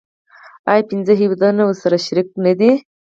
آیا پنځه هیوادونه ورسره شریک نه دي؟